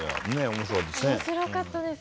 面白かったです。